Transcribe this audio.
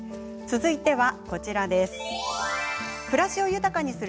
続いては、こちらです。